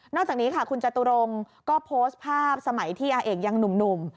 จากนี้ค่ะคุณจตุรงก็โพสต์ภาพสมัยที่อาเอกยังหนุ่ม